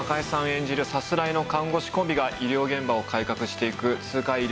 演じるさすらいの看護師コンビが医療現場を改革していく痛快医療ドラマです。